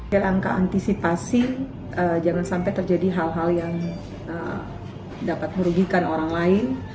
dalam keantisipasi jangan sampai terjadi hal hal yang dapat merugikan orang lain